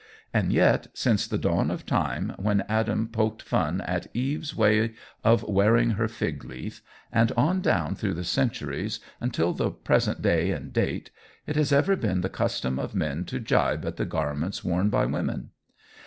And yet since the dawn of time when Adam poked fun at Eve's way of wearing her fig leaf and on down through the centuries until the present day and date it has ever been the custom of men to gibe at the garments worn by women.